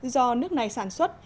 do nước này sản xuất